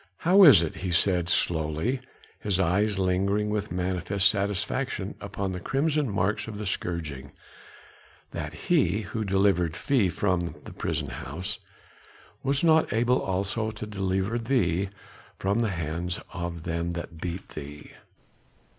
"How is it," he said slowly, his eyes lingering with manifest satisfaction upon the crimson marks of the scourging, "that he who delivered fhee from the prison house, was not able also to deliver thee from the hands of them that beat thee?"